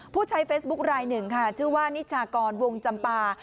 ผู้ใช้เฟซบุ๊คลายหนึ่งค่ะชื่อว่านิชากรวงจำปา